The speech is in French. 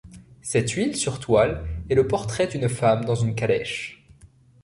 Cette huile sur toile est le portrait d'une femme dans une calèche.